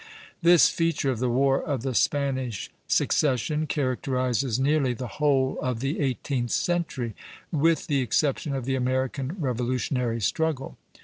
This feature of the War of the Spanish Succession characterizes nearly the whole of the eighteenth century, with the exception of the American Revolutionary struggle.